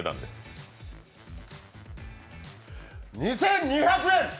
２２００円！